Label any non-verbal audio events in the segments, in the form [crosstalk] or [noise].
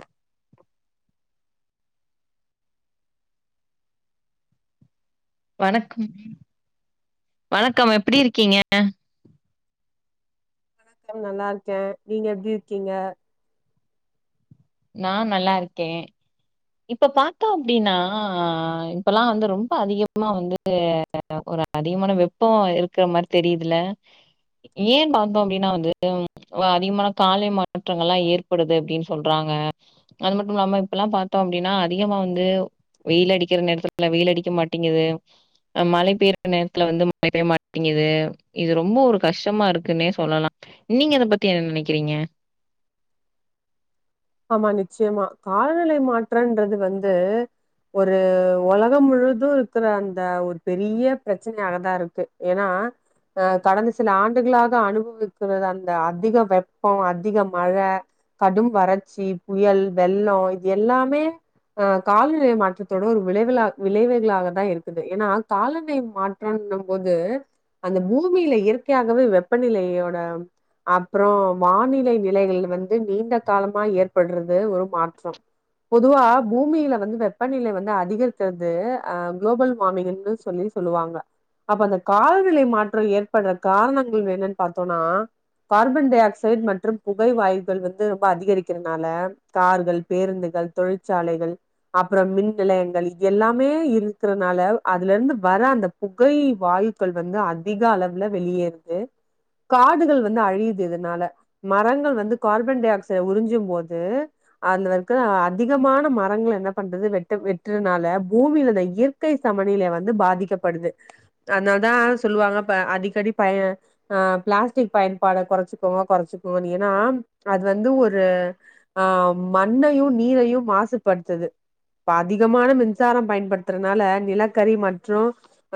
ஆஹ வணக்கம் வணக்கம் எப்படி இருக்கீங்க வணக்கம் நல்லா இருக்கே நீங்க எப்டி இருக்கீங்க நா நல்லா இருக்கே இப்ப பாத்தோ அப்டின்னா இப்பல்லா வந்து ரொம்ப அதிகமா வந்து ஒரு அதிகமான வெப்போ இருக்கிற மாரி தெரியுதுல்ல ஏன் பாத்தோ அப்டின்னா வந்து அதிகமான காலநிலை மாற்றங்கள்லா ஏற்படுது அப்டின்னு சொல்ற ன்றாங்க அது மட்டும் இல்லாம இப்ப எல்லா பாத்தோ அப்டின்னா அதிகமா வந்து வெயில் அடிக்கிற நேரத்துல வெயில் அடிக்க மாட்டேங்குது ஆ மழை பெய்யற நேரத்துல வந்து மழை பெய்ய மாட்டேங்குது இது ரொம்ப ஒரு கஷ்டமா இருக்குன்னே சொல்லலா நீங்க அத பத்தி என்ன நெனைக்கிறீங்க ஆமா நிச்சயமா காலநிலை மாற்றன்றது வந்து ஒரு ஒலகம் முழுது இருக்கிற அந்த ஒரு பெரிய பிரச்சனையாகதா இருக்கு ஏன்னா அஹ் கடந்த சில ஆண்டுகளாக அனுபவிக்கிறது அந்த அதிக வெப்போ அதிக மழ கடும் வறட் ச்சி புயல் வெள்ளோ இது எல்லாமே அஹ் காலநிலை மாற்றத்தோட ஒரு விளைவு விளைவுகளாகதா இருக்குது ஏன்னா காலநிலை மாற்றன்னும் போது அந்த பூமியில இயற்கையாகவே வெப்பநிலையோட அப்புறோ வானிலை நிலைகள் வந்து நீண்ட காலம் [unintelligible] ஏற்படுறது ஒரு மாற்றம் பொதுவா பூமியில வந்து வெப்பநிலை வந்து அதிகரிக்கிறது அஹ் குளோபல் வார்மிங்னு சொல்லி சொல்லுவாங்க அப்ப அந்த காலநிலை மாற்றம் ஏற்படுற காரணங்கள் என்னன்னு பாத்தோன்னா கார்பன் டை ஆக்சைடு மற்றும் புகை வாயுக்கள் வந்து ரொம்ப அதிகரிக் க்கறதுனால கார்கள் பேருந்துகள் தொழிற்சாலைகள் அப்புறம் மின் நிலையங்கள் எல்லாமே இருக்கறனால அதுல இருந்து வர அந்த புகை வாயுக்கள் வந்து அதிக அளவுல வெளியேறுது காடுகள் வந்து அழியுது இதனால மரங்கள் வந்து கார்பன் டை ஆக்சைடு உறிஞ்ச [unintelligible] போது அதுல இருக்கற அதிகமான மரங்கள என்ன பண்றது வெட்ட வெட்டுறனால பூமியில இயற்கை சமநிலை வந்து பாதிக்கப்படுது அதனாலதா சொல்லுவாங்க இப்ப அடிக்கடி ப ஆ பிளாஸ்டிக் பயன்பாட கொறச்சிக்குவோ கொறச்சுக்குவோன்னு ஏன்னா அது வந்து ஒரு து ஆ மண்ணையு நீரையு மாசுபடுத்துது இப்ப அதிகமான மின்சாரோ பயன்படுத்துறனால நிலக்கரி மற்றும்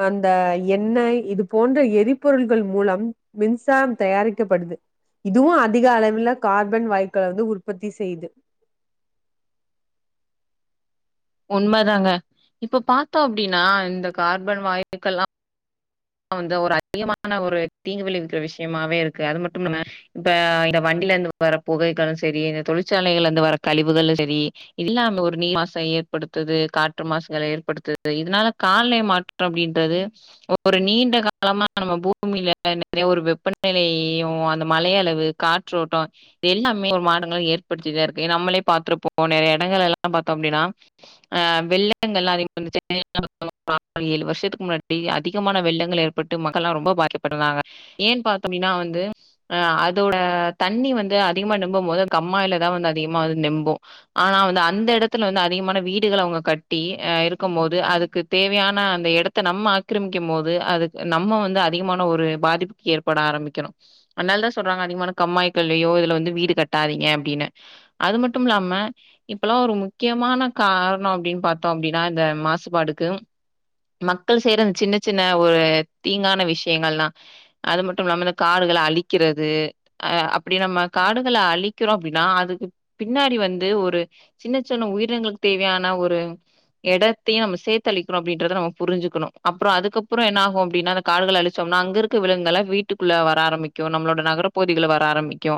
அந்த எண்ணெய் இது போன்ற எரிபொருள்கள் மூலம் மின்சாரம் தயாரிக்கப்படுது இதுவு அதிக அளவில் கார்பன் வாயுக் [unintelligible] உற்பத்தி செய்து உண்மைதாங்க இப்ப பாத்தோ அப்டின்னா இந்த கார்பன் வாயுக்கெல்லா வந்து ஒரு அதிகமான ஒரு தீங்கு விளைவிக்கிற விஷயமாவே இருக்கு அது மட்டும் இல்ல இப்ப இந்த வண்டில இருந்து வர புகைகளு சரி இந்த தொழிற்சாலைகள்ல இருந்து வர கழிவுகளும் சரி இல்லாம ஒரு நீர் மாச ஏற்படுத்துது காற்று மாசுகள ஏற்படுத்துது இதனால காலநிலை மாற்றோ அப்டின்றது ஒரு நீண்ட காலமா நம்ம பூமியில நெறைய ஒரு வெப்பநிலையு அந்த மழ அளவு காற்றோட்டோ இது எல்லாமே ஒரு மாற்றங்கள ஏற்படுத்திதா இருக்கு ஏன்னா நம்மளே பாத்துருப்போ நெறைய எடங்கள் எல்லாம் பாத்தோ அப்டின்னா அஹ் வெள்ளங்கள்லாம் [unintelligible] ஏழு வருஷத்துக்கு முன்னாடி அதிகமான வெள்ளங்கள் ஏற்பட்டு மக்கள்லா ரொம்ப பாதிக்கப்பட்டிருந்தாங்க ஏன் பாத்தோ அப்டின்னா வந்து ஆ அதோட தண்ணி வந்து அதிகமா நம்பும் போது கம்மாயிலதா வந்து அதிகமா வந்து நம்பும் ஆனா வந்து அந்த எடத்துல வந்து அதிகமான வீடுகள அவங்க கட்டி ஆ இருக்கும் போது அதுக்கு தேவையான அந்த எடத்த நம்ம ஆக்கிரமிக்கும்போது அதுக் நம்ம வந்து அதிகமான ஒரு பாதிப்புக்கு ஏற்பட ஆரம்பிக்கிறோ அதனாலதா சொல்றாங்க அதிகமான கம்மாய்கள்லயோ இதுல வந்து வீடு கட்டாதீங்க அப்டின்னு அது மட்டும் இல்லாம இப்பல்லா ஒரு முக்கியமான காரணோ அப்டின்னு பாத்தோம் அப்டின்னா இந்த மாசுபாடுக்கு மக்கள் செய்ற சின்ன சின்ன ஒரு தீங்கான விஷயங்கள்லா அது மட்டும் இல்லாம இந்த காடுகள அழிக்கிறது அஹ் அப்டி நம்ம காடுகள அழிக்கிறோ அப்டின்னா அதுக்கு பின்னாடி வந்து ஒரு சின்ன சின்ன உயிரினங்களுக்கு தேவையான ஒரு எடத்தையு நம்ம சேத்து அழிக்கிறோ அப்டின்றத நம்ம புரிஞ்சுக்கணு அப்றோ அதுக்கப்றோ என்ன ஆகு அப்டின்னா அந்த காடுகள அழிச்சோம்னா அங்க இருக்க விலங்குகள்லா வீட்டுக்குள்ள வர ஆரம்பிக்கு நம்மளோட நகரப் பகுதிகள்ல வர ஆரம்பிக்கு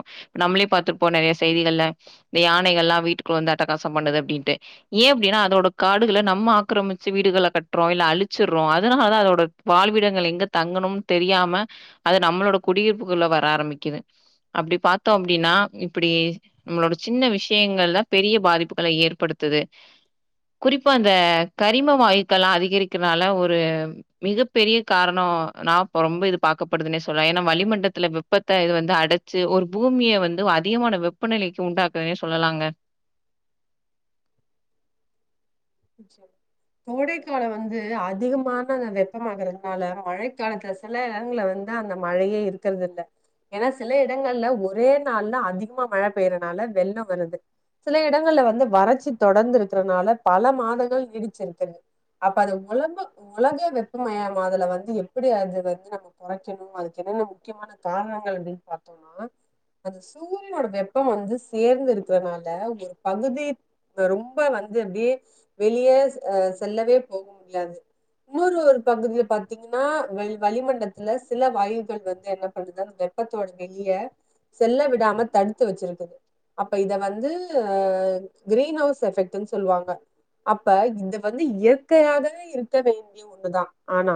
நம்மளே பாத்துருப்போ நெறைய செய்திகள்ல இந்த யானைகள்லா வீட்டுக்குள்ள வந்து அட்டகாசம் பண்ணுது அப்டின்னுட்டு ஏன் அப்டின்னா அதோட காடுகள நம்ம ஆக்கிரமிச்சு வீடுகள கட்றோ இல்ல அழிச் த்துர்றோ அதனாலாதா அதோட வாழ்விடங்கள் எங்க தங்கணும்னு தெரியாம அது நம்மளோட குடியிருப்புக்குள்ள வர ஆரம்பிக்குது அப்டி பாத்தோ அப்டின்னா இப்படி நம்மளோட சின்ன விஷயங்கள்தா பெரிய பாதிப்புகள ஏற்படுத்துது குறிப்பா அந்த கரிம வாயுக்கள்லா அதிகரிக்க அதனால ஒரு மிகப் பெரிய காரணோ நா இப்ப ரொம்ப இது பாக்கப்படுதுன்னே சொல்லலா ஏன்னா வளிமண்டத்துல வெப்பத்த இது வந்து அடைச்சு ஒரு பூமிய வந்து அதிகமான வெப்பநிலைக்கு உண்டாக்குதுன்னே சொல்லலாங்க ம் சேரி கோடைக்கால வந்து அதிகமான அந்த வெப்பமாகறதுனால மழைக்காலத்துல சில எடங்கள்ல வந்து அந்த மழையே இருக்கிறது இல்ல ஏன்னா சில இடங்கள்ல ஒரே நாள்ல அதிகமா மழை பெயறனால வெள்ளம் வருது சில இடங்கள்ல வந்து வறட்சி தொடர்ந்து இருக்கறனால பல மாதங்கள் நீடிச்சிருக்குங்க அப்ப அது உலக உலக வெப்பமயமாதல வந்து எப்படி அது வந்து நம்ம கொறைக்கணு அதுக்கு என்னென்ன முக்கியமான காரணங்கள் அப்டின்னு பாத்தோம்னா அந்த சூரியனோட வெப்பம் வந்து சேந்து இருக்கிறதுனால ஒரு பகுதி ரொம்ப வந்து அப்டியே வெளிய அஹ் செல்லவே போக முடியாது இன்னொரு ஒரு பகுதியில பாத்தீங்கன்னா வெல் வளிமண்டத்துல சில வாயுகள் வந்து என்ன பண்றது அந்த வெப்பத்தோட வெளிய செல்ல விடாம தடுத்து வச்சிருக்குது அப்ப இத வந்து அஹ் கிரீன் ஹவுஸ் எஃபெக்ட்ன்னு சொல்லுவாங்க அப்ப இது வந்து இயற்கையாகவே இருக்க வேண்டிய ஒண்ணுதா ஆனா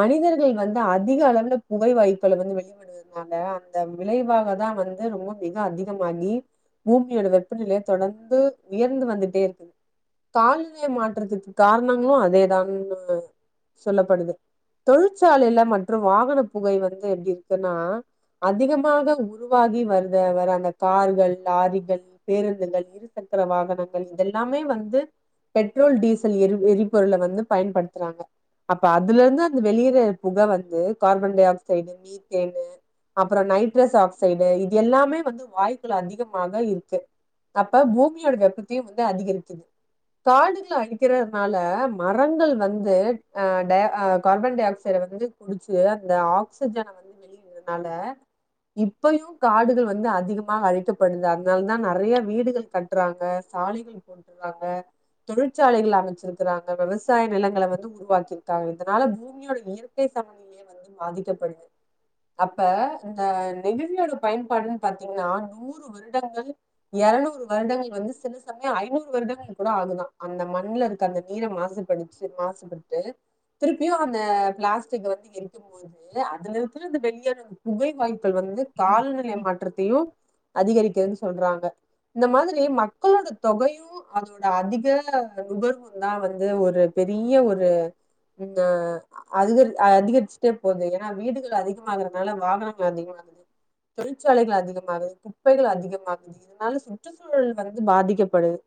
மனிதர்கள் வந்து அதிக அளவுல புகை வாயுக்கள வந்து வெளியிடுறதுனால அந்த விளைவாகதா வந்து ரொம்ப மிக அதிகமாகி பூமியோட வெப்பநிலை தொடர்ந்து உயர்ந்து வந்துட்டே இருக்குது காலநிலை மாற்றத்துக்கு காரணங்களு அதேதான்னு சொல்லப்படுது தொழிற்சாலையில மற்றும் வாகன புகை வந்து எப்டி இருக்குன்னா அதிகமாக உருவாகி வருதே அந்த கார்கள் லாரிகள் பேருந்துகள் இருசக்கர வாகனங்கள் இதெல்லாமே வந் து பெட்ரோல் டீசல் எரி எரிபொருள வந்து பயன்படுத்துறாங்க அப்ப அதுல இருந்து அந்த வெளியேற புகை வந்து கார்பன் டை ஆக்சைடு மீத்தேனு அப்றோ நைட்ரஸ் ஆக்சைடு இது எல்லாமே வந்து வாயுக்கள் அதிகமாக இருக்கு அப்ப பூமியோட வெப்பத்தையும் வந்து அதிகரிக்குது காடுகள அழிக்கிறதுனால மரங்கள் வந்து ஆ ட ஆ கார்பன் டை ஆக்சைடை வந்து குடிச்சு அந்த ஆக்சிஜன வந்து வெளியிடறதுனால இப்பயு காடுகள் வந்து அதிகமாக அழிக்கப்படுது அதனாலதா நெறைய வீடுகள் கட்றாங்க சாலைகள் போட்டு றாங்க தொழிற்சாலைகள் அமைச்சிருக்கிறாங்க விவசாய நிலங்கள வந்து உருவாக்க இருக்காங்க இதனால பூமியோட இயற்கை சமநிலையே வந்து பாதிக்கப்படுது அப்ப இந்த நெகிழியோட பயன்பாடுன்னு பாத்தீங்கன்னா நூறு வருடங்கள் எரநூறு வருடங்கள் வந்து சில சமயோ வந்து ஐநூறு [unintelligible] வருடங்கள் கூட ஆகுதா அந்த மண்ல இருக்க அந்த நீரை மாசுபடிச்சு மாசுபட்டு திருப்பியும் அந்த பிளாஸ்டிக் வந்து எரிக்கும்போது அதுல இருக்க அந்த வெளியாகற புகை வாயு க்கள் வந்து காலநிலை மாற்றத்தையு அதிகரிக்குதுன்னு சொல்றாங்க இந்த மாதிரி மக்களோட தொகையு அதோட அதிக நுகர்வும்தா வந்து ஒரு பெரிய ஒரு இந்த அதிகரி அதிகரிச்சுட்டே போகுது ஏன்னா வீடுகள் அதிகமாகறனால வாகனங்கள் அதிகமாகுது தொழிற்சாலைகள் அதிகமாகுது குப்பைகள் அதிகமாகுது இதனால சுற்றுச்சூழல் வந்து பாதிக்கப்படுது